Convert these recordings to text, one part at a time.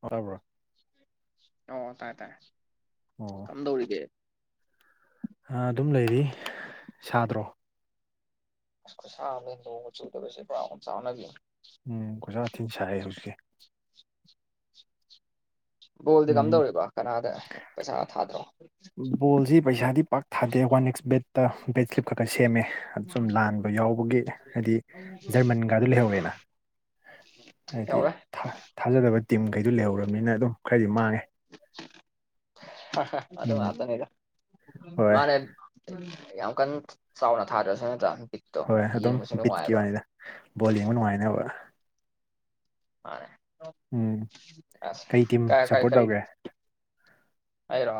ꯇꯥꯕꯔꯣ ꯑꯣ ꯇꯥꯏꯌꯦ ꯇꯥꯏꯌꯦ ꯑꯣ ꯀꯝꯗꯧꯔꯤꯒꯦ ꯑꯗꯨꯝ ꯂꯩꯔꯤ ꯁꯥꯗ꯭ꯔꯣ ꯑꯁ ꯈꯨꯁꯥ ꯑꯃꯅꯦ ꯅꯣꯡꯒ ꯆꯨꯗꯕꯁꯤꯗ ꯄꯨꯔ ꯑꯣꯝꯆꯥꯛꯅꯕꯤꯅꯦ ꯎꯝ ꯈꯨꯖꯥ ꯊꯤꯅ ꯁꯥꯏꯌꯦ ꯍꯧꯖꯤꯛꯁꯦ ꯕꯣꯜꯗꯤ ꯎꯝ ꯀꯝꯗꯧꯔꯤꯀꯣ ꯀꯅꯥꯗ ꯄꯩꯁꯥ ꯊꯥꯗ꯭ꯔꯣ ꯕꯣꯜꯁꯤ ꯄꯩꯁꯥꯗꯤ ꯄꯥꯛ ꯊꯥꯗꯦ ꯋꯥꯟ ꯑꯦꯛꯁ ꯕꯦꯠꯇ ꯕꯦꯠ ꯀꯞ ꯈꯀ ꯁꯦꯝꯃꯦ ꯁꯨꯝ ꯂꯥꯟꯕ ꯌꯥꯎꯕꯒꯤ ꯍꯥꯏꯗꯤ ꯖꯔꯃꯟꯒꯗꯣ ꯂꯩꯍꯧꯔꯦꯅ ꯍꯥꯏꯗꯤ ꯂꯩꯍꯧꯔꯦ ꯊꯥꯖꯗꯕ ꯇꯤꯝꯈꯩꯗꯨ ꯂꯩꯍꯧꯔꯕꯅꯤꯅ ꯑꯗꯨꯝ ꯈꯔꯗꯤ ꯃꯥꯡꯉꯦ ꯑ ꯑꯗꯨ ꯎꯝ ꯉꯥꯛꯇꯅꯤꯗ ꯍꯣꯏ ꯃꯥꯅꯦ ꯌꯥꯝ ꯀꯟꯅ ꯆꯥꯎꯅ ꯊꯥꯗꯔꯁꯨ ꯅꯠꯇꯔꯥ ꯍꯣꯏ ꯑꯗꯨꯝ ꯕꯤꯠꯀꯤ ꯋꯥꯅꯤꯗ ꯕꯣꯜ ꯌꯦꯡꯕ ꯅꯨꯡꯉꯥꯏꯅꯕ ꯃꯥ ꯎꯝ ꯑꯁꯦ ꯀꯩ ꯇꯤꯝ ꯀ ꯀꯥ [inaudible] ꯏ ꯁꯞꯄꯣꯔꯠ ꯀꯔꯤ ꯇꯧꯒꯦ ꯑꯩꯔꯣ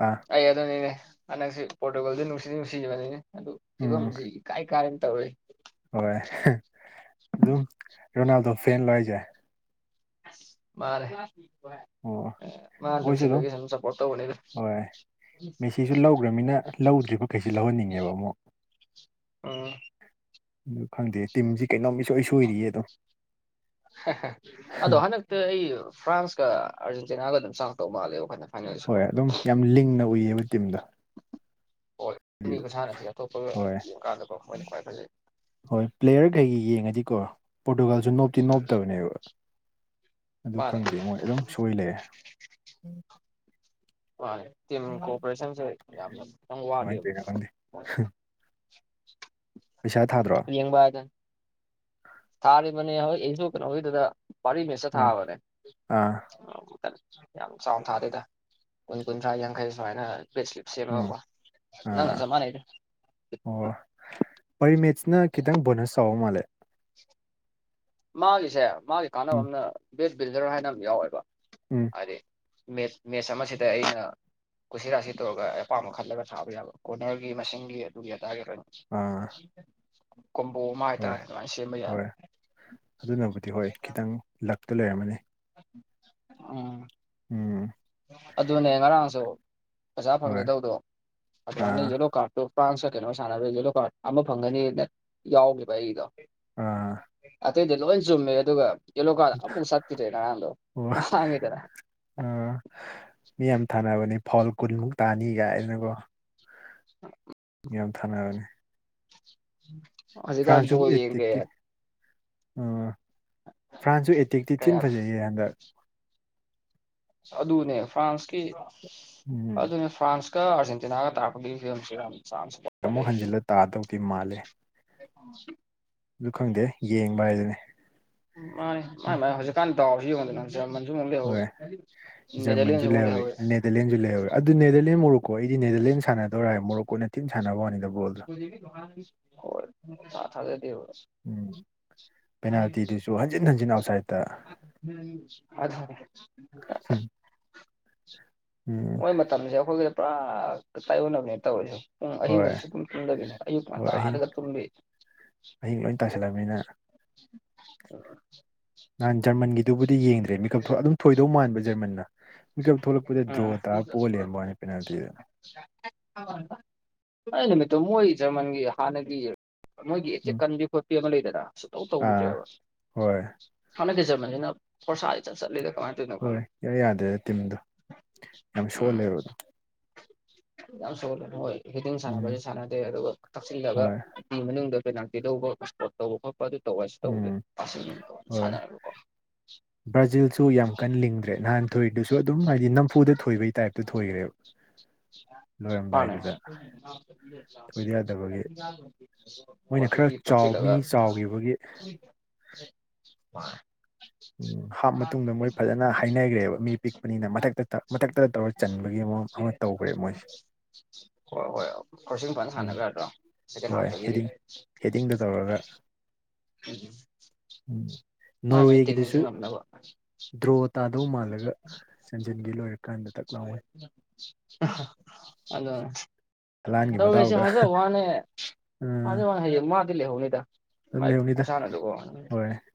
ꯑꯥ ꯑꯩ ꯑꯗꯨꯅꯤꯅꯦ ꯍꯟꯗꯛꯁꯤ ꯄꯣꯔꯇꯨꯒꯜꯗꯨ ꯅꯨꯡꯗꯤ ꯅꯨꯡꯁꯤꯕꯅꯤꯅꯦ ꯑꯗꯨ ꯎꯝ ꯐꯤꯕꯝꯁꯤ ꯀꯥꯏ ꯀꯅꯦ ꯇꯧꯦ [inaudible] ꯍꯣꯏ ꯑꯗꯨꯝ ꯔꯣꯅꯥꯜꯗꯣ ꯐꯦꯟ ꯂꯣ ꯍꯥꯢꯁꯦ ꯃꯥꯅꯦ ꯑꯣ ꯃꯥ ꯑꯩꯈꯣꯏꯁꯨ ꯑꯗꯨꯝ ꯅꯨꯡꯁꯤꯕꯒꯤ ꯁꯨꯝ ꯁꯞꯄꯣꯔꯠ ꯇꯧꯕꯅꯦꯗ ꯍꯣꯏ ꯃꯦꯁꯤꯁꯨ ꯂꯧꯈ꯭ꯔꯃꯤꯅ ꯂꯧꯗ꯭ꯔꯤꯕꯈꯩꯁꯤ ꯂꯧꯍꯟꯅꯤꯡꯉꯦꯕ ꯑꯃꯨꯛ ꯑꯝ ꯑꯗꯨ ꯈꯪꯗꯦ ꯇꯤꯝꯁꯤ ꯀꯩꯅꯣꯝ ꯃꯤꯁꯣꯏ ꯁꯣꯏꯔꯤꯌꯦ ꯑꯗꯨꯝ ꯑꯗꯣ ꯍꯟꯗꯛꯇꯗꯤ ꯐ꯭ꯔꯥꯟꯁꯀ ꯑꯥꯔꯖꯦꯟꯇꯤꯅꯥꯒ ꯑꯗꯨꯝ ꯆꯥꯡꯉꯥꯛꯇꯧ ꯃꯥꯜꯂꯦꯕ ꯍꯟꯗꯛ ꯍꯣꯏ ꯑꯗꯨꯝ ꯌꯥꯝ ꯂꯤꯡꯅ ꯎꯏꯌꯦꯕ ꯇꯤꯝꯗꯣ ꯍꯣꯏ ꯃꯤꯅꯤ ꯍꯥꯏꯗꯤ- ꯃ ꯁꯥꯟꯅꯁꯤ [inaudible] ꯍꯣꯏ ꯑꯇꯣꯞꯄꯥꯟꯗ ꯈ ꯐꯖꯩ ꯍꯣꯏ ꯄ꯭ꯂꯦꯌꯔ ꯀꯩꯒꯤ ꯌꯦꯡꯉꯗꯤꯀꯣ ꯄꯣꯔꯇꯨꯒꯜ ꯁ ꯅꯣꯞꯇꯤ ꯎꯝ ꯅꯣꯞꯇꯕꯅꯦꯕ ꯑꯗꯨ ꯃꯥꯅꯦ ꯈꯪꯗꯦ ꯃꯣꯏ ꯑꯗꯨꯝ ꯁꯣꯏ ꯂꯩꯔꯦ ꯃꯥꯅꯦ ꯇꯤꯝ ꯀꯣꯑꯣꯄꯔꯦꯁꯟꯁꯦ ꯌꯥꯝꯅ ꯀꯃꯥꯏꯅ ꯋꯥꯠꯂꯤꯕ ꯇꯧꯔꯤꯅꯣ ꯈꯪꯗꯦ [unintelligible] ꯄꯩꯁꯥ ꯊꯥꯗ꯭ꯔꯣ ꯌꯦꯡꯕ ꯍꯥꯏꯗꯨꯅꯤ ꯊꯥꯔꯤꯕꯅꯤ ꯍꯣꯢ ꯑꯩꯁꯨ ꯀꯩꯅꯣ ꯒꯤꯗꯨꯗ ꯄꯔꯤꯃꯦꯁꯇ ꯑꯥ ꯊꯥꯕꯅꯦ ꯑꯥ ꯌꯥꯝ ꯆꯥꯎꯅ ꯊꯥꯗꯦꯗ ꯀꯨꯟ ꯀꯨꯟꯊ꯭ꯔꯥ ꯌꯥꯡꯈꯩ ꯁꯨꯃꯥꯏꯅ ꯄꯦꯁ ꯁꯦꯝꯃꯒ ꯎꯝ ꯀꯣ ꯅꯪꯒ ꯑꯥ ꯆꯥꯞ ꯃꯥꯟꯅꯩ ꯑꯣ ꯄꯔꯤꯃꯦꯠꯁꯤꯅ ꯈꯤꯇꯪ ꯕꯣꯅꯁ ꯆꯥꯎꯕ ꯃꯥꯜꯂꯦ ꯃꯥꯒꯤꯁꯦ ꯃꯥꯒꯤ ꯀꯥꯟꯅꯕ ꯑ ꯎꯝ ꯑꯃꯅ ꯕꯦꯠ ꯕꯤꯜꯗꯔ ꯍꯥꯏꯅ ꯑꯃ ꯌꯥꯎꯋꯦꯕ ꯎꯝ ꯍꯥꯏꯗꯤ ꯃꯦꯠꯁ ꯑꯃꯁꯤꯗ ꯑꯩꯅ ꯀꯨꯁꯤ ꯔꯥꯁꯤ ꯇꯧꯔꯒ ꯑꯄꯥꯝꯕ ꯈꯜꯂꯒ ꯊꯥꯕ ꯌꯥꯕ ꯀ ꯀꯣꯔꯅꯔꯒꯤ ꯃꯁꯤꯡꯒꯤ ꯑꯗꯨꯒꯤ ꯑꯗꯥꯒꯤ ꯑꯥ ꯀꯣꯝꯕꯣ ꯑꯃ ꯍꯣꯏ ꯍꯥꯏꯇꯥꯔꯦ ꯑꯗꯨꯃꯥꯏꯅ ꯁꯦꯝꯕ ꯌꯥꯏ ꯍꯣꯏ ꯑꯗꯨꯅꯕꯨꯗꯤ ꯍꯣꯏ ꯈꯤꯇꯪ ꯂꯛꯇ ꯂꯩꯔꯝꯃꯅꯤ ꯎꯝ ꯎꯝ ꯑꯗꯨꯅꯦ ꯉꯔꯥꯡꯁꯨ ꯄꯩꯁꯥ ꯍꯣꯏ ꯐꯪꯒꯗꯧꯗꯣ ꯑꯥ ꯑꯗꯨꯃꯥꯏꯅ ꯌꯦꯂꯣ ꯀꯥꯔꯠꯇꯣ ꯄ꯭ꯔꯥꯟꯁꯀ ꯀꯩꯅꯣ ꯁꯥꯟꯅꯕꯩ ꯌꯦꯂꯣ ꯀꯥꯔꯠ ꯑꯃ ꯐꯪꯒꯅꯤꯅ ꯌꯥꯎꯈꯤꯕ ꯑꯩꯗꯣ ꯑꯥ ꯑꯇꯩꯗꯤ ꯂꯣꯏ ꯆꯨꯝꯃꯦ ꯑꯗꯨꯒ ꯌꯦꯂꯣ ꯀꯥꯔꯗ ꯑꯃꯐꯨꯛ ꯁꯠꯈꯤꯗ꯭ꯔꯦ ꯉꯔꯡꯗꯣ ꯑꯣ ꯃꯥꯡꯉꯦꯗꯅ ꯑꯥ ꯃꯤ ꯌꯥꯝ ꯊꯥꯅꯕꯅꯦ ꯐꯣꯜ ꯀꯨꯟꯃꯨꯛ ꯇꯥꯅꯤꯒꯥꯏꯗꯅꯀꯣ [unintelligible] ꯌꯥꯝ ꯊꯥꯅꯔꯒꯦ ꯍꯧꯖꯤꯛꯀꯥꯟ ꯕꯣꯜ ꯌꯦꯡ ꯗꯦ ꯑꯣ ꯐ꯭ꯔꯥꯟꯁꯨ ꯑꯦꯇꯦꯛꯇꯤ ꯊꯤ ꯀꯌꯥ ꯐꯖꯩꯌꯦ ꯍꯟꯗꯛ ꯑꯗꯨꯅꯦ ꯐ꯭ꯔꯥꯟꯁꯀꯤ ꯎꯝ ꯑꯗꯨꯅꯦ ꯐ꯭ꯔꯥꯟꯁꯀꯤ ꯀꯔ ꯑꯔꯖꯦꯟ ꯇꯤꯅꯥꯒ ꯇꯥꯛꯄꯒꯤ ꯐꯤꯕꯝꯁꯦ ꯌꯥꯝ ꯆꯥꯟ ꯑꯃꯨꯛ ꯍꯟꯖꯤꯜꯂ ꯇꯥꯗꯧꯗꯤ ꯃꯥꯜꯂꯦ [inaudible] ꯑꯗꯨ ꯈꯪꯗꯦ ꯌꯦꯡꯕ ꯍꯥꯏꯗꯨꯅꯦ ꯃꯥꯅꯦ ꯃꯥꯢ ꯃꯥꯢ ꯍꯧꯖꯤꯛꯀꯥꯟ ꯗꯥꯎꯁꯨ ꯌꯦꯡꯉꯣꯗꯅ ꯖꯔꯃꯟꯁꯨ ꯑꯃꯨꯛ ꯂꯩꯍꯧꯋꯦ ꯍꯣꯏ ꯖꯔꯃꯟꯁꯨ ꯅꯦꯗꯔꯂꯦꯟꯁꯨ ꯃꯩꯛ ꯂꯩꯍꯧꯔꯤ ꯂꯩꯍꯧꯋꯦ ꯅꯦꯗꯔꯂꯦꯟꯁꯨ ꯂꯩꯍꯔꯦ ꯑꯗꯨ ꯅꯦꯗꯔꯂꯦꯟ ꯃꯣꯔꯣꯛꯀꯣ ꯑꯩꯗꯤ ꯅꯦꯗꯔꯂꯦꯟ ꯁꯥꯟꯅꯗꯧꯔꯦ ꯃꯣꯔꯣꯛ ꯀꯣꯅ ꯊꯤꯟ ꯁꯥꯟꯅꯕꯅꯤꯗ ꯕꯣꯜꯗꯣ [unintelligible] ꯍꯣꯏ ꯁꯨꯡꯊꯥ ꯊꯖꯗꯦꯕ ꯄꯦꯅꯥꯜꯇꯤꯗꯨꯁꯨ ꯍꯟꯖꯤꯟ ꯍꯟꯖꯤꯟ ꯑꯥꯎꯠꯁꯥꯏꯠꯇ ꯎꯝ [unintelligible] ꯎꯝ ꯃꯣꯏ ꯃꯇꯝꯁꯦ ꯑꯩꯈꯣꯏꯒ ꯄꯨꯔꯥ ꯇꯥꯏꯌꯣꯟꯅꯕꯅꯦ ꯇꯧꯔꯤꯁꯨ ꯎꯝ ꯑꯍꯤꯡ ꯍꯣꯏ ꯒꯁꯦ ꯁꯨꯡꯇꯨꯝ ꯇꯨꯝꯗꯕꯤꯅꯦ ꯑꯌꯨꯛ ꯍꯣꯏ ꯑꯍꯤꯡ ꯉꯟꯇꯥꯗꯒ ꯇꯨꯝꯕꯤ ꯑꯍꯤꯡ ꯂꯣꯏ ꯇꯁꯤꯜꯂꯕꯅꯤꯅ [unintelligible] ꯅꯍꯥꯟ ꯖꯔꯃꯟꯒꯤꯗꯨꯕꯨꯗꯤ ꯌꯦꯡꯗ꯭ꯔꯦ ꯃꯤꯀꯞ ꯑꯗꯨꯝ ꯊꯣꯏꯗꯧ ꯃꯥꯟꯕ ꯖꯔꯃꯟꯅ ꯄꯤꯛꯀꯞ ꯊꯣꯛꯂꯛꯄꯗ ꯗ꯭ꯔꯣ ꯎꯝ ꯇꯔꯥ ꯄꯣ ꯂꯩꯔꯕꯝꯕꯋꯅꯦ ꯄꯦꯅꯥꯜꯇꯤꯗꯨꯗ ꯑꯩ ꯅꯨꯃꯤꯠꯇꯣ ꯃꯣꯏ ꯖꯔꯃꯟꯒꯤ ꯍꯥꯟꯅꯒꯤ ꯃꯣꯏꯒꯤ ꯎꯝ ꯆꯦꯛꯀꯟꯕꯤ ꯈꯣꯠꯄꯤ ꯑꯃ ꯂꯩꯗꯅ ꯁꯨꯇꯧ ꯑꯥ ꯇꯧꯗ꯭ꯔꯦꯕ ꯍꯣꯏ ꯍꯥꯟꯗꯛ ꯇꯥ ꯖꯔꯃꯟꯁꯤꯅ ꯐꯣꯔꯁꯥ ꯏꯆꯠ ꯆꯠꯂꯦꯗꯥ ꯀꯃꯥꯏ ꯍꯣꯏ ꯏꯌꯥ ꯌꯥꯗꯦꯗ ꯇꯤꯝꯗꯣ ꯌꯥꯝ ꯎꯝ ꯁꯣꯜꯂꯦꯕ ꯌꯥꯝ ꯁꯣꯜꯂꯦ ꯍꯣꯏ ꯍꯤꯇꯤꯡ ꯎꯝ ꯁꯥꯟꯅꯕꯁ ꯁꯥꯟꯅꯗꯦ ꯑꯗꯨꯒ ꯀꯛꯆꯤꯜꯂꯒ ꯍꯣꯏ ꯐꯤ ꯃꯅꯨꯡꯗ ꯄꯦꯅꯥꯜꯇꯤ ꯂꯧꯕ ꯏꯁꯄꯣꯔꯠ ꯇꯧꯕ ꯈꯣꯄ ꯑꯗꯨ ꯇꯧꯕꯁꯨ ꯇꯧꯕꯗꯦ ꯎꯝ ꯑꯨꯝ ꯍꯣꯏ ꯁꯥꯟꯅꯔꯒꯀꯣ ꯕ꯭ꯔꯥꯖꯤꯜꯁꯨ ꯌꯥꯝ ꯀꯟꯅ ꯂꯤꯡꯗ꯭ꯔꯦ ꯅꯍꯥꯟ ꯊꯣꯏꯗꯨꯁꯨ ꯑꯗꯨꯝ ꯍꯥꯏꯗꯤ ꯅꯝꯐꯨꯗ ꯊꯣꯏꯕꯩ ꯇꯥꯏꯞꯇ ꯊꯣꯏꯈ꯭ꯔꯦꯕ ꯄꯅꯦ ꯂꯣꯏꯔꯝꯗꯥꯏꯗꯨꯗ ꯊꯣꯏꯗ ꯌꯥꯗꯕꯒꯤ ꯃꯣꯏꯅ ꯈꯔ ꯆꯥꯎ ꯃꯤ ꯆꯥꯎꯈꯤꯕꯒꯤ [unintelligible] ꯍꯥꯞ ꯃꯇꯨꯡꯗ ꯃꯣꯏ ꯐꯖꯅ ꯍꯥꯏꯅꯈ꯭ꯔꯦꯕ ꯃꯤ ꯄꯤꯛꯄꯅꯤꯅ ꯃꯊꯛꯇ ꯃꯊꯛꯇ ꯇꯧꯔ ꯆꯟꯕꯒꯤ ꯃꯑꯣꯡ ꯑꯃ ꯇꯧꯈ꯭ꯔꯦ ꯃꯣꯏꯁꯦ ꯍꯣꯏ ꯍꯣꯏ ꯀꯆ ꯐꯅ ꯎꯝ ꯁꯥꯟꯅꯖꯔꯦ ꯍꯣꯏ ꯍꯦꯗꯤꯡ ꯍꯦꯗꯤꯡꯗꯣ ꯇꯧꯔꯒ ꯎꯝ ꯅꯣꯔꯋꯦꯒꯤꯗꯨꯁꯨ ꯉꯝꯅꯕ ꯗ꯭ꯔꯣ ꯇꯥꯗꯧ ꯃꯥꯜꯂꯒ ꯆꯟꯖꯟꯒꯤ ꯂꯣꯏꯔꯀꯥꯟꯗ ꯇꯛ ꯂꯥꯎꯋꯦ [unintelligible] ꯍꯂꯥꯟꯒꯤ ꯅꯣꯔꯋꯦꯁꯦ ꯃꯗꯥꯎꯗ ꯍꯥꯏꯖ ꯋꯥꯅꯦ ꯍꯥꯖ ꯋꯅꯦ ꯃꯗꯤ ꯂꯩꯍꯧꯅꯤꯗ ꯃꯥꯏ ꯈꯨꯨꯁꯥꯅꯗꯨꯀꯣ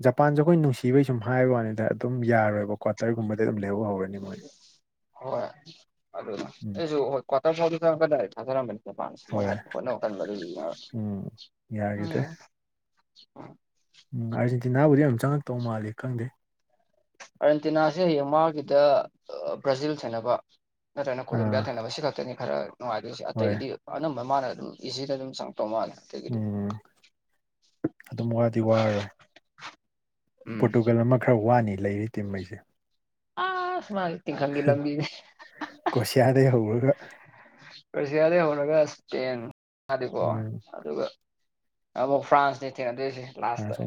ꯖꯄꯥꯟꯁꯦ ꯑꯩꯈꯣꯏ ꯅꯨꯡꯁꯤꯕꯩ ꯁꯨꯝ ꯍꯥꯏꯕ ꯋꯥꯅꯤꯗ ꯑꯗꯨꯝ ꯌꯥꯔꯣꯏꯕ ꯀ꯭ꯋꯥꯇꯔꯒꯨꯝꯕꯗꯤ ꯑꯗꯨꯝ ꯂꯩꯍꯧ ꯍꯧꯔꯅꯤ ꯃꯣꯏꯗꯤ ꯍꯣꯏ ꯑꯗꯨꯅ ꯑꯩꯁꯨ ꯍꯣꯏ ꯀ꯭ꯋꯥꯇꯔ ꯐꯥꯎꯗ ꯀꯗꯥꯏ ꯊꯥꯖꯔꯝꯕꯅꯤ ꯍꯣꯏ ꯃꯖꯥꯟꯦꯣꯏ ꯍꯣꯠ [unintelligible] ꯌꯥꯒꯤꯗ꯭ꯔꯦ ꯑꯣ ꯎꯝ ꯑꯥꯔꯖꯦꯟꯇꯤꯅꯥꯕꯨꯗꯤ ꯌꯥꯝ ꯆꯪꯉꯛꯇꯧ ꯃꯥꯜꯜꯂꯤꯦ ꯈꯪꯗꯦ ꯑꯥꯔꯖꯦꯟꯇꯤꯅꯥꯁꯦ ꯍꯌꯦꯡ ꯃꯥꯒꯤꯗ ꯕ꯭ꯔꯥꯖꯤꯜ ꯁꯦꯅꯕ ꯅꯠꯇ꯭ꯔꯅ ꯀꯣꯂꯣꯕꯤꯌꯥ ꯑꯥ ꯊꯦꯡꯅꯕꯁꯤ ꯈꯛꯇꯅꯤ ꯈꯔ ꯅꯨꯡꯉꯥꯏꯗꯣꯏꯦ ꯍꯣꯏ ꯑꯇꯩꯗꯤ ꯑ ꯑꯗꯨꯝꯕ ꯃꯥꯅ ꯑꯗꯨꯝ ꯏꯁꯤꯗ ꯑꯗꯨꯝ ꯆꯪꯉꯛꯇꯧ ꯃꯥꯜꯂꯦ ꯑꯇꯩꯒꯤꯗꯤ ꯎꯝ ꯑꯗꯨꯝ ꯋꯥꯗꯤ ꯋꯥꯔꯔꯣꯏ ꯎꯝ ꯄꯣꯔꯇꯨꯒꯜ ꯑꯃ ꯈꯔ ꯋꯥꯅꯤ ꯂꯩꯔꯤ ꯇꯤꯝꯈꯩꯁꯦ ꯑ ꯁ ꯃꯥꯒꯤ ꯈꯪꯤ ꯂꯝꯕꯤ ꯀ꯭ꯔꯣꯁꯤꯌꯥꯗꯩ ꯍꯧꯔꯒ ꯔꯁꯤꯌꯥꯗꯩ ꯍꯧꯔꯒ ꯏꯁꯄꯦꯟ ꯊꯥꯗꯀꯣ ꯎꯝ ꯑꯗꯨꯒ ꯑꯃꯕꯨ ꯐ꯭ꯔꯥꯟꯁꯇ ꯊꯦꯡꯅꯗꯣꯏꯁꯦ ꯂꯥꯁꯇ ꯐ꯭ꯔꯥꯟꯁ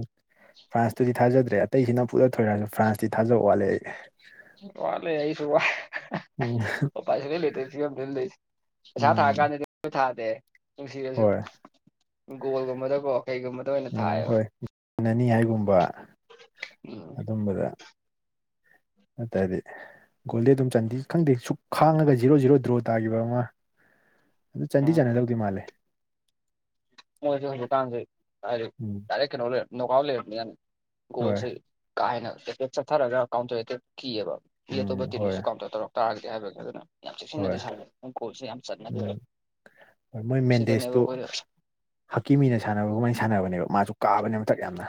ꯐ꯭ꯔꯥꯟꯁꯇꯨꯗꯤ ꯊꯥꯖꯗ꯭ꯔꯦ ꯑꯇꯩꯁꯤꯅ ꯄꯨꯠꯂ ꯊꯣꯏꯔꯁꯨ ꯐ꯭ꯔꯥꯟꯁꯇꯤ ꯊꯥꯖꯕ ꯋꯥꯠꯂꯦ ꯑꯩ ꯋꯥ ꯂꯩ ꯑꯁꯨ ꯋꯥ ꯎꯝ ꯑꯣ ꯄ ꯂ ꯂꯩꯦꯇ ꯁꯤ ꯑ ꯅ ꯂꯩꯁ ꯄꯩꯁꯥ ꯊꯥꯔ ꯎꯝ ꯀꯥꯟꯗꯗꯤ ꯊꯥꯗꯦ ꯅꯨꯡꯁꯤꯔꯁꯨ ꯍꯣꯏ ꯒꯣꯜꯒꯨꯝꯕꯗꯕꯀꯣ ꯀꯩꯒꯨꯝꯕꯗ ꯑꯣꯏꯅ ꯎꯝ ꯊꯥꯏꯌꯦꯕ ꯍꯣꯏ ꯑꯅꯤ ꯍꯥꯏꯒꯨꯝꯕ ꯎꯝ ꯑꯗꯨꯝꯕꯗ ꯃꯗꯤ ꯒꯣꯜꯗꯗꯤ ꯑꯗꯨꯝ ꯆꯟꯗꯤ ꯈꯪꯗꯦ ꯁꯨꯛ ꯈꯥꯡꯉꯒ ꯖꯤꯔꯣ ꯖꯤꯔꯣ ꯗ꯭ꯔꯣ ꯇꯥꯈꯤꯕ ꯑꯃ ꯑꯗꯨ ꯆꯥꯟꯗꯤ ꯆꯥꯟꯅꯗꯧꯗꯤꯤ ꯃꯥꯜꯂꯦ ꯃꯣꯏꯦ ꯍꯧꯖꯤꯛꯀꯥꯟꯁꯦ ꯔ ꯎꯝ ꯗꯥꯏꯔꯦꯛ ꯀꯩꯅꯣ ꯂꯩ ꯅꯣꯀ ꯂꯩꯔꯝꯅꯤꯅ ꯍꯣꯏ ꯣꯁ ꯀꯥ ꯍꯦꯅ ꯇꯦꯀꯦꯠ ꯆꯠꯊꯔꯒ ꯀꯥꯎꯟꯇꯔꯗ ꯀꯤꯑꯕ ꯏ ꯎꯝ ꯑꯇꯣꯞꯄ ꯍꯣꯏ ꯇꯤꯝꯗꯨꯁꯨ ꯀꯥꯎꯟꯇꯔ ꯇꯧꯔꯛꯄ ꯇꯥ ꯀꯦ ꯍꯥꯏꯕꯦ ꯑꯗꯨꯅ ꯌꯥꯝ ꯍꯣꯏ ꯆꯦꯛꯁꯤꯟꯅꯗꯤꯦ ꯁꯥꯔꯔꯦ ꯎꯪꯀꯣꯜꯁꯦ ꯌꯥꯝ ꯆꯠꯅꯗꯦ ꯎꯝ ꯁꯤꯗꯅꯦꯕ ꯑꯩꯈꯣꯏꯗ ꯍꯛꯀꯤ ꯃꯤꯅ ꯁꯥꯟꯅꯕꯒꯨꯝꯕꯥꯏꯅ ꯁꯥꯟꯅꯕꯅꯦꯕ ꯃꯥꯁꯨ ꯀꯥꯕꯅꯦ ꯃꯊꯛ ꯌꯥꯝꯅ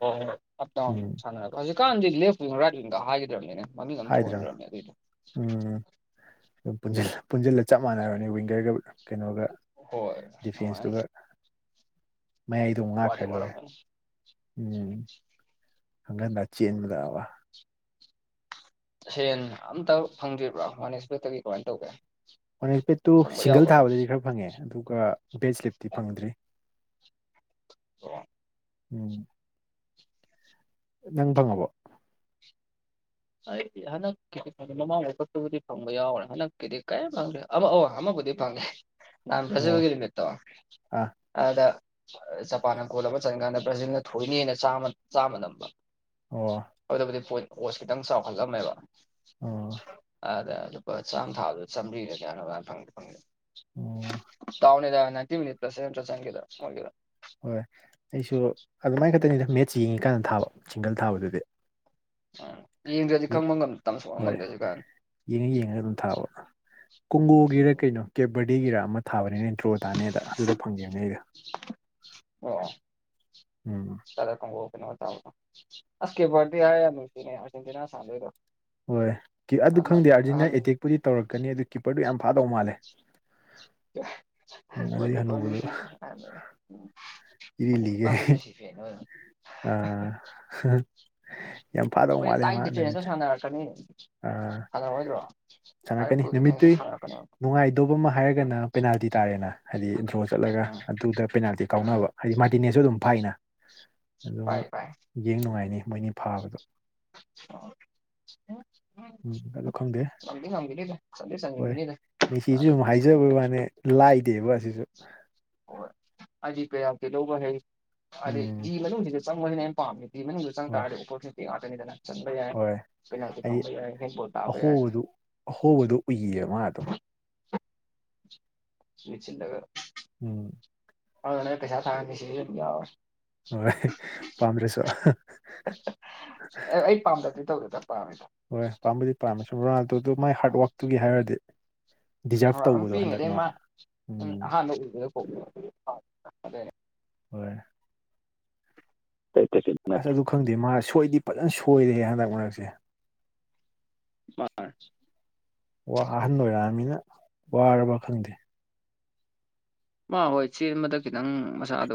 ꯑꯣ ꯍꯣ ꯑꯞ ꯗꯥꯎꯟ ꯎꯝ ꯁꯥꯟꯅꯔ ꯍꯧꯖꯤꯛꯀꯥꯟꯗꯤ ꯂꯦꯐ ꯤꯡ ꯔꯥꯏꯠ ꯋꯤꯡꯒ ꯍꯥꯏꯈꯤꯗ꯭ꯔꯕꯅꯤꯅꯦ ꯃꯃꯤ ꯅꯝ ꯍꯥꯏꯗ꯭ꯔꯥ ꯇꯣꯉꯔꯃꯦ ꯑ ꯎꯝ ꯄꯨꯟꯁꯤꯜꯂ ꯆꯞ ꯃꯥꯟꯅꯔꯅꯤ ꯋꯤꯡꯒꯔꯒ ꯀꯩꯅꯣꯒ ꯍꯣꯏ ꯑꯗꯨꯃꯥꯏꯅ ꯗꯤꯐꯦꯟꯁꯇꯨꯒ ꯃꯌꯥꯏꯗꯣꯨꯛ ꯋꯥꯗꯤ ꯉꯥꯛꯈ꯭ꯔ ꯂꯣꯏꯔꯦ ꯋꯥꯔꯝꯒꯅꯤ ꯎꯝ ꯍꯪꯒꯟꯗ ꯆꯦꯟꯂꯛꯑꯕ ꯁꯦꯟ ꯑꯝꯇ ꯐꯪꯗ꯭ꯔꯤꯕ꯭ꯔꯥ ꯋꯥꯅꯦꯁꯄꯦꯛꯇꯒꯤ ꯀꯃꯥꯏꯅ ꯇꯧꯒꯦ ꯑꯣꯅꯦꯜ ꯄꯦꯗꯠꯇꯨ ꯐꯪꯕ ꯁꯤꯡꯒꯜ ꯌꯥꯎꯈ꯭ꯔꯕ ꯊꯥꯕꯗꯗꯤ ꯈꯔ ꯐꯪꯉꯦ ꯑꯗꯨꯒ ꯕꯦꯗ ꯁ꯭ꯂꯤꯞꯇꯤ ꯐꯪꯗ꯭ꯔꯤ ꯑꯣ ꯎꯝ ꯅꯪ ꯐꯪꯉꯕꯣ ꯑꯩꯗꯤ ꯍꯟꯗꯛꯀꯤꯗꯤ ꯐꯪꯗꯦ ꯃꯃꯥꯡ ꯄꯣꯠꯇꯨꯕꯨꯗꯤ ꯐꯪꯕ ꯌꯥꯎꯔ꯭ꯔꯦ ꯍꯟꯗꯛꯀꯤꯗꯤ ꯀꯔꯤꯝ ꯐꯪꯗ꯭ꯔꯦ ꯑꯃꯛ ꯑ ꯑꯃꯕꯨꯗꯤ ꯐꯪꯉꯦ ꯅꯍꯥꯟ ꯑꯣ ꯐꯖꯕꯦꯜꯒꯤ ꯅꯨꯃꯤꯠꯇꯣ ꯑꯥ ꯑꯗ ꯖꯄꯥꯟꯅ ꯀꯣꯜ ꯑꯃ ꯆꯪꯀꯥꯟꯗ ꯕ꯭ꯔꯥꯖꯤꯜꯅ ꯊꯣꯏꯅꯦꯅ ꯆꯥꯝꯃ ꯅꯝꯕ ꯑꯣ ꯑꯗꯨꯕꯨꯗꯤ ꯄꯣꯠ ꯑꯣꯁ ꯈꯤꯇꯪ ꯆꯥꯎꯈꯠꯂꯝꯃꯦꯕ ꯑꯣ ꯑꯗ ꯑꯗꯨ ꯍ ꯆꯥꯝ ꯊꯥꯕꯗ ꯆꯥꯝꯔꯤꯒ ꯀ ꯐꯪꯦ ꯐꯪꯦ ꯑꯣ ꯇꯥꯎꯅꯤꯗ ꯅꯥꯏꯟꯇꯤ ꯃꯤꯅꯤ ꯔꯁꯦꯟ ꯆꯪꯗ ꯍꯒꯗ ꯍꯣꯏ ꯑꯩꯁꯨ ꯑꯗꯨꯃꯥꯏꯅ ꯈꯛꯇꯅꯤꯗ ꯃꯦꯠꯁ ꯌꯦꯡꯉꯤꯀꯥꯟꯗ ꯊꯥꯕ ꯁꯤꯡꯒꯜ ꯊꯥꯕꯗꯨꯗꯤ ꯎ ꯌꯦꯡꯗ꯭ꯔꯗꯤ ꯌꯦ- ꯈꯪꯕ ꯉꯝ ꯁꯣꯛꯕ ꯍꯣꯏ ꯉꯝꯗ꯭ꯔꯁꯨ ꯀꯥꯏ ꯌꯦꯡꯉ ꯌꯦꯡꯉꯒ ꯑꯗꯨꯝ ꯊꯥꯕ ꯀꯣꯡꯒꯣꯒꯤꯔ ꯀꯩꯅꯣ ꯀꯦꯕꯔꯗꯤꯒꯤꯔ ꯑꯃ ꯊꯥꯕꯅꯤꯅꯦ ꯇ꯭ꯔꯣ ꯇꯥꯅꯦꯗ ꯑꯗꯨꯗ ꯐꯪꯒꯦꯕꯅꯦ ꯑꯩꯣ ꯑꯣ ꯎꯝ ꯆꯔꯦꯗ ꯑꯁ ꯀꯦꯕꯔꯗꯤ ꯍꯥꯏ ꯅꯨꯡꯁꯤꯅꯦꯅ ꯁꯥꯟꯗꯣꯏꯗꯣ ꯍꯣꯏ ꯑꯗꯨ ꯈꯪꯗꯦ ꯑꯥꯔꯖꯤꯟꯇ ꯑꯦꯇꯦꯛꯄꯨꯗꯤ ꯇꯧꯔꯛꯀꯅꯤ ꯑꯗꯨ ꯀꯤꯄꯔꯗꯨ ꯌꯥꯝ ꯐꯥꯗꯧ ꯃꯥꯜꯂꯦ ꯎꯝ ꯑꯗꯨꯗꯒꯤ ꯑꯅꯧꯕꯗꯨ ꯐꯦ ꯎꯝ ꯏꯔꯤꯂꯤꯒꯦ ꯑ ꯌꯥꯝ ꯐꯥꯗꯧ ꯃꯣꯏꯗꯤ ꯃꯥꯂꯦ ꯇꯥꯏ ꯃꯥꯗꯃꯤ ꯍꯜꯂꯛꯑꯣꯏꯗ꯭ꯔꯣ ꯆꯥꯟ ꯀꯅꯤ ꯅꯨꯃꯤꯠꯇꯨꯏ ꯅꯨꯡꯉꯥꯏꯗꯕ ꯑꯃ ꯍꯥꯏꯔꯒꯅ ꯄꯦꯅꯥꯜꯇꯤ ꯇꯥꯔꯦꯅ ꯍꯥꯏꯗꯤ ꯏꯟꯗ꯭ꯔꯣ ꯆꯠꯂꯒ ꯎꯝ ꯑꯗꯨꯗ ꯄꯦꯅꯥꯜꯇꯤ ꯎꯝ ꯀꯥꯎꯅꯕ ꯍꯥꯏꯗꯤ ꯃꯥꯇꯤꯅꯦꯁꯨ ꯑꯗꯨꯝ ꯐꯥꯏꯅ ꯑꯗꯨꯃ ꯄꯥꯏ ꯄꯥꯏ ꯌꯦꯡ ꯅꯨꯡꯉꯥꯏꯅꯤ ꯃꯣꯏꯅꯤ ꯐꯥꯕꯗꯣ ꯎꯝ ꯑꯗꯨ ꯈꯪꯗꯦ ꯃꯪꯗꯤ ꯅꯪꯒꯗꯤꯗ ꯍꯣꯏ ꯉꯁꯤꯁꯨ ꯁꯨꯝ ꯍꯥꯏꯖꯕꯩ ꯋꯥꯅꯦ ꯂꯥꯏꯗꯦꯕ ꯑꯁꯤꯁꯨ ꯍꯣꯏ ꯍꯥꯏꯗꯤ ꯀꯌꯥꯝ ꯀꯩꯗꯧꯕ ꯍꯩ ꯍꯥꯏꯗꯤ ꯎꯝ ꯖꯤ ꯃꯅꯨꯡꯁꯤꯗ ꯆꯪꯕꯅꯦ ꯍꯣꯏ ꯄꯥꯝꯃꯤꯁꯦ ꯀꯥꯅꯤꯗꯅ ꯆꯟꯕ ꯌꯥꯏ ꯍꯣꯏ ꯄꯦꯅꯥꯜꯇꯤ ꯐꯪꯕ ꯌꯥꯏ ꯍꯦꯟ ꯄꯣꯠ ꯇꯥꯕ ꯌꯥꯏ ꯑꯍꯣꯕꯗꯨꯣ ꯎꯏꯌꯦ ꯃꯥ ꯑꯗꯨꯝ ꯁ꯭ꯋꯆ ꯀꯔ ꯎꯝ ꯑꯣꯅ ꯄꯩꯁꯥ ꯊꯁꯤ ꯍꯣꯏ ꯄꯥꯝꯗ꯭ꯔꯦꯁꯨ ꯑꯦ ꯑꯩ ꯄꯥꯝꯗꯗꯤꯗꯤ ꯇꯧꯗꯇ ꯄꯥꯝꯃꯦꯗꯣ ꯍꯣꯏ ꯄꯥꯝꯕꯗꯤ ꯄꯥꯝꯃꯦ ꯁꯨꯝ ꯔꯣꯅꯥꯜꯗꯣ ꯑꯗꯨꯣ ꯃꯥꯏ ꯍꯥꯔꯗ ꯎꯝ ꯋꯥꯔꯥꯛꯛꯇꯨꯒꯤ ꯍꯥꯏꯔꯗꯤ ꯗꯤꯖꯥꯔꯞ ꯍꯣꯏ ꯑꯗꯨꯝ ꯇꯧꯕꯗꯣ ꯄꯤꯉ ꯍꯟꯗꯛ ꯑꯗꯩ ꯃꯥ ꯎꯝ ꯑꯍꯥꯟꯕ ꯎꯗ ꯑꯗꯨ ꯍꯣꯏ ꯑꯁ ꯅꯠꯇ꯭ꯔꯥ ꯑꯗꯨ ꯈꯪꯗꯦ ꯃꯥ ꯁꯣꯏꯗꯤ ꯐꯖꯅ ꯁꯣꯏꯔꯦ ꯍꯟꯗꯛ ꯃꯔꯛꯁꯦ ꯃꯥꯔ ꯋꯥ ꯑꯍꯟ ꯑꯣꯏꯔꯛꯑꯅꯤꯅ ꯋꯥꯔꯕ ꯈꯪꯗꯦ ꯃꯥ ꯍꯣꯏ ꯆꯦ ꯃꯊꯛ ꯈꯤꯇꯪ ꯃꯁꯥꯗꯣ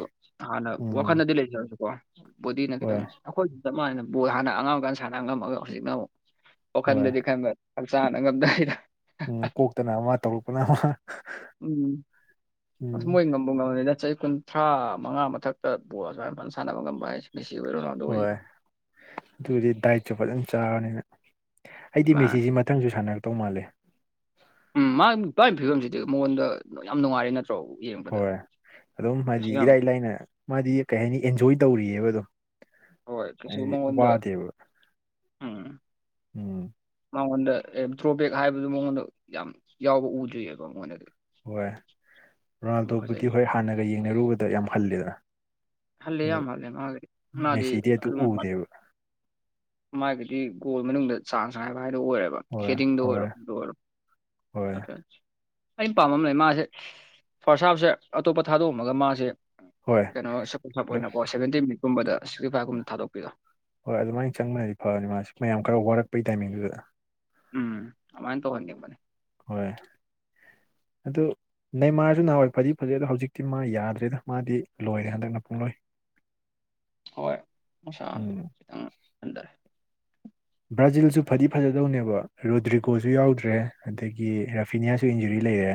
ꯍꯥꯟꯅ ꯎꯝ ꯋꯥꯈꯜꯗꯗꯤ ꯂꯩꯖꯔꯁꯨꯀꯣ ꯕꯣꯗꯤꯅ ꯍꯣꯏ ꯈꯤꯇꯪ ꯑꯩꯈꯣꯏꯁꯨ ꯆꯞ ꯃꯥꯟꯅ ꯕꯣ ꯍꯥꯟꯅꯉꯥꯡꯀꯥꯟ ꯁꯥꯟꯅ ꯉꯝꯃꯒ ꯍꯧꯖꯤꯛꯅ ꯑꯃꯨꯛ ꯑꯣ ꯍꯣꯏ ꯈꯟꯗꯗꯤ ꯈꯟꯕ ꯍꯛ ꯆꯥꯅ ꯉꯝꯗꯥꯏꯗ ꯎꯝ ꯀꯣꯛꯇꯅ ꯑꯃ ꯇꯧꯔꯛꯄꯅ ꯑꯃ ꯎꯝ ꯑ ꯎꯝ ꯃꯍꯤ ꯉꯝ ꯉꯝꯝꯕꯅꯤꯅ ꯆꯍꯤ ꯀꯨꯟꯊ꯭ꯔꯥ ꯃꯉꯥ ꯃꯊꯛꯇ ꯕꯣꯜ ꯑꯗꯨꯁꯨꯃꯅ ꯁꯥꯟꯅꯕ ꯉꯝꯕ ꯍꯥꯏꯁꯦ ꯃꯤꯁꯤ ꯑꯣꯏꯔ ꯍꯣꯏ ꯑꯗꯨꯗꯤ ꯗꯥꯏꯠꯁꯨ ꯐꯖꯅ ꯆꯥꯔꯅꯤꯅ ꯑꯩꯗꯤ ꯃꯥ ꯃꯦꯁꯤꯁꯤ ꯈꯤꯇꯪ ꯖꯨ ꯁꯥꯟꯅꯔꯛꯇꯧ ꯃꯥꯂꯦ ꯎꯝ ꯃꯥ ꯄꯥꯏꯕ ꯐꯤꯕꯝꯁꯤꯗꯤ ꯃꯉꯣꯟꯗ ꯌꯥꯝ ꯅꯨꯡꯉꯥꯏꯔꯦ ꯅꯠꯇ꯭ꯔꯦ ꯁꯣ ꯌꯦꯉꯣ ꯍꯣꯏ ꯑꯗꯨꯝ ꯍꯥꯏꯗꯤ ꯏꯔꯥꯏ ꯂꯥꯏꯅ ꯃꯥꯗꯤ ꯀꯩ ꯍꯥꯏꯅꯤ ꯑꯦꯟꯖꯣꯏ ꯇꯧꯔꯤꯑꯕ ꯑꯗꯨꯝ ꯍꯣꯏ ꯀꯩꯁꯨ ꯍꯥꯏꯗꯤ ꯃꯉꯣꯟꯗ ꯋꯥꯗꯦꯕ ꯎꯝ ꯎꯝ ꯃꯉꯣꯟꯗ ꯗ꯭ꯔꯣꯕꯦꯛ ꯍꯥꯏꯕꯗꯨ ꯃꯉꯣꯟꯗ ꯌꯥꯝ ꯌꯥꯎꯕ ꯎꯗ꯭ꯔꯤꯑꯕ ꯃꯉꯣꯟꯗꯗꯤ ꯍꯣꯏ ꯌꯥꯝ ꯐꯖꯩ ꯔꯣꯅꯥꯜꯗꯣꯕꯨꯗꯤ ꯍꯣꯏ ꯍꯥꯟꯅꯒ ꯌꯦꯡꯅꯔꯨꯕꯗ ꯌꯥꯝ ꯍꯜꯂꯦꯗ ꯍꯜꯂꯦ ꯑ ꯌꯥꯝ ꯍꯜꯂꯦ ꯃꯥꯒꯤꯗꯤ ꯃꯥꯗꯤ ꯃꯦꯁꯤꯗꯤ ꯑꯗꯨ ꯑꯗꯨꯝ ꯎꯗꯦꯕ ꯃꯥꯒꯤꯗꯤ ꯒꯣꯜ ꯃꯅꯨꯡꯗ ꯆꯥꯟꯁ ꯍꯥꯏꯕ ꯍꯥꯏꯗꯣ ꯑꯣꯏꯔꯦꯕ ꯍꯣꯏ ꯍꯦꯗꯤꯡꯗ ꯍꯣꯏ ꯑꯣꯏꯔꯣꯗ ꯑꯣꯏꯔꯣ ꯍꯣꯏ ꯀ ꯑꯩꯅ ꯄꯥꯝꯃꯝ ꯂꯩ ꯃꯥꯁꯦ ꯐꯥꯔꯁ ꯍꯥꯞꯁꯦ ꯑꯇꯣꯞꯄ ꯊꯥꯗꯣꯛꯑꯝꯃꯒ ꯃꯥꯁꯦ ꯍꯣꯏ ꯀꯩꯅꯣ ꯁꯨꯄꯔ ꯁꯞ ꯑꯣꯏꯅꯀꯣ ꯁꯚꯦꯟꯇꯤ ꯃꯤꯅꯤꯠꯀꯨꯝꯕꯗ ꯁꯤꯛꯁꯇꯤ ꯐꯥꯏꯚꯀꯨꯝꯕ ꯊꯥꯗꯣꯛꯄꯤꯔꯣ ꯍꯣꯏ ꯑꯗꯨꯃꯥꯏꯅ ꯆꯪꯕꯅꯗꯤ ꯐꯅꯤ ꯃꯥ ꯃꯌꯥꯝ ꯈꯔ ꯋꯥꯔꯛꯄꯒꯤ ꯇꯥꯏꯃꯤꯡꯗꯨꯗ ꯎꯝ ꯑꯗꯨꯃꯥꯏꯅ ꯇꯧꯍꯟꯅꯤꯡꯕꯅꯦ ꯍꯣꯏ ꯑꯗꯨ ꯅ ꯃꯥꯁꯨ ꯅꯍꯥꯟꯋꯥꯏ ꯐꯗꯤ ꯐꯖꯩ ꯑꯗꯣ ꯍꯧꯖꯤꯛꯇꯤ ꯃꯥ ꯌꯥꯗ꯭ꯔꯦꯗ ꯃꯥꯗꯤ ꯂꯣꯏꯔꯦ ꯍꯟꯗꯛꯅ ꯄꯨꯡꯂꯣꯏ [inaudible] ꯍꯣꯏ ꯃꯁꯥ ꯎꯝ ꯕ꯭ꯔꯥꯖꯤꯜꯁꯨ ꯐꯗꯤ ꯐꯖꯗꯧꯅꯦꯕ ꯔꯣꯗ꯭ꯔꯤꯒꯣꯁꯨ ꯌꯥꯎꯗ꯭ꯔꯦ ꯑꯗꯒꯤ ꯔꯥꯐꯤꯅꯤꯌꯥꯁꯨ ꯏꯟꯖꯨꯔꯤ ꯂꯩꯔꯦ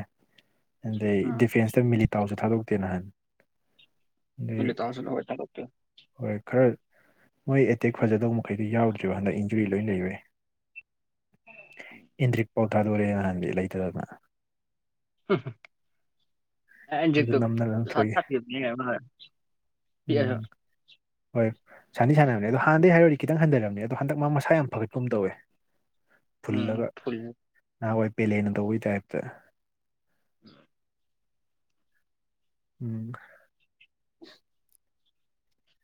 ꯑꯗꯩ ꯎꯝ ꯗꯤꯐꯦꯟꯁꯇ ꯃꯤꯂꯤꯇꯥꯎꯁꯨ ꯊꯥꯗꯣꯛꯇꯦ ꯅꯍꯟ ꯇꯦ ꯍꯣꯏ ꯈꯔ ꯃꯣꯏ ꯑꯦꯇꯦꯛ ꯐꯖꯗꯧꯕ ꯃꯈꯩꯗꯤ ꯌꯥꯎꯗ꯭ꯔꯤꯕ ꯍꯟꯗꯛ ꯏꯟꯖꯨꯔꯤ ꯂꯣꯏ ꯂꯩꯔꯦ ꯏꯟꯗ꯭ꯔꯤꯛ ꯄꯥꯎ ꯊꯥꯗꯣꯔꯦ ꯅꯍꯥꯟꯗꯤ ꯂꯩꯇꯗꯅ ꯍ ꯑꯗꯨ ꯑꯦꯛꯇ ꯅꯝꯗꯅ ꯁꯥ ꯂꯪꯊꯣꯛꯏ ꯁꯥ ꯎꯝ ꯍꯣꯏ ꯁꯥꯟꯅ ꯁꯥꯟꯅꯕꯅꯤ ꯑꯗꯣ ꯍꯥꯟꯅꯩ ꯍꯥꯏꯔꯨꯔꯗꯤ ꯈꯤꯇ ꯍꯟꯊꯔꯔꯕꯅꯤ ꯑꯗꯣ ꯍꯟꯗꯛ ꯃꯥ ꯃꯁꯥ ꯌꯥꯝ ꯐꯒꯠꯄꯨꯝ ꯇꯧꯋꯦ ꯎꯝ ꯐꯨꯜꯂꯒ ꯐꯨꯜ ꯅꯍꯥꯟꯋꯥꯏ ꯄꯦꯂꯦꯅ ꯇꯧꯕꯒꯤ ꯇꯥꯏꯞꯇ ꯎꯝ ꯎꯝ